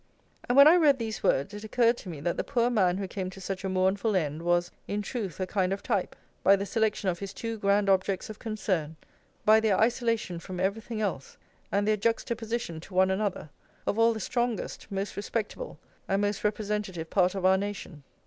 And when I read these words, it occurred to me that the poor man who came to such a mournful end was, in truth, a kind of type, by the selection of his two grand objects of concern, by their isolation from everything else, and their juxtaposition to one another, of all the strongest, most respectable, and most representative part of our nation.